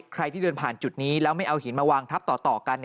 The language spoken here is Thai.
ใครที่เดินผ่านจุดนี้แล้วไม่เอาหินมาวางทับต่อกัน